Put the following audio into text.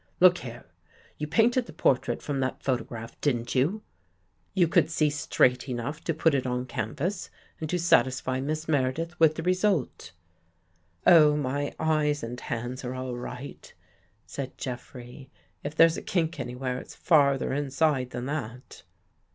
Look here! You painted the portrait from that photograph, didn't you? You could see straight enough to put it on canvas and to satisfy Miss Meredith with the result." " Oh, my eyes and hands are all right," said Jeff rey. " If there's a kink anywhere, it's farther in side than that."